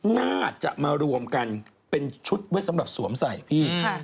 น่าจะมารวมกันเป็นชุดไว้สำหรับสวมใส่พี่